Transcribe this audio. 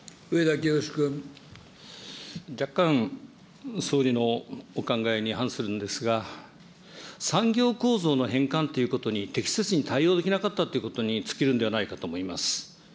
若干、総理のお考えに反するんですが、産業構造の変化ということに適切に対応できなかったということに尽きるんではないかと思います。